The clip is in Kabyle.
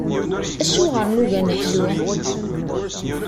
Acuɣer nugi ad neḥlu?